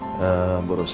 iya terima kasih